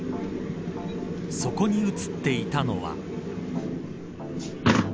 そこに映っていたのは。